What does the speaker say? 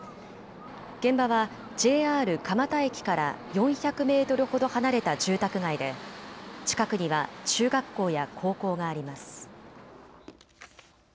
現場はＪＲ蒲田駅から４００メートルほど離れた住宅街で、近くには中学校や高校があります。